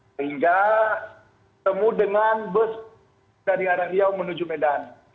sehingga ketemu dengan bus dari arah riau menuju medan